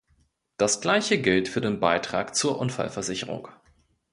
Das Gleiche gilt für den Beitrag zur Unfallversicherung.